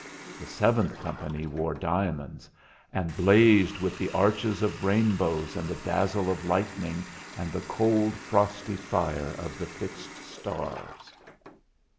The seventh company wore diamonds, and blazed with the arches of rainbows and the dazzle of lightning and the cold frosty fire of the fixed stars.